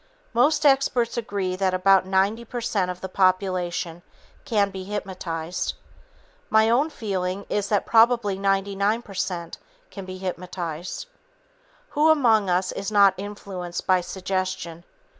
Most experts agree that about 90 percent of the population can be hypnotized. My own feeling is that probably 99 percent can be hypnotized. Who among us is not influenced by suggestion?